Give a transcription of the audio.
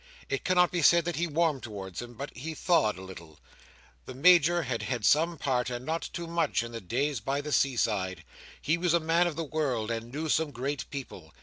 It cannot be said that he warmed towards him, but he thawed a little, The Major had had some part—and not too much—in the days by the seaside. He was a man of the world, and knew some great people.